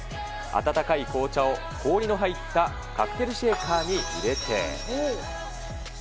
温かい紅茶を氷の入ったカクテルシェーカーに入れて。